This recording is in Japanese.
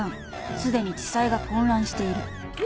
［すでに地裁が混乱している］